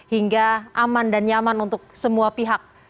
hingga aman dan nyaman untuk semua pihak